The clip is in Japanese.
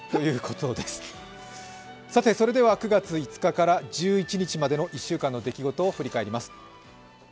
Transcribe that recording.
さてそれでは９月５日から１１日までの１週間の出来事を振り返ります。